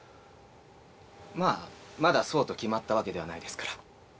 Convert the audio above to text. まあまだそうと決まったわけではないですから。